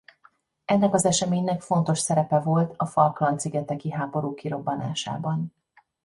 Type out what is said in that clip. Ennek az eseménynek fontos szerepe volt a Falkland-szigeteki háború kirobbanásában.